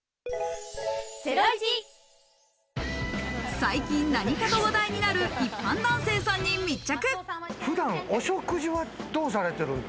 最近、何かと話題になる一般男性さんに密着。